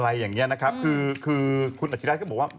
อะไรอย่างเงี้ยนะครับคือคุณอจิรัตน์ก็บอกว่า